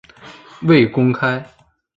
未公开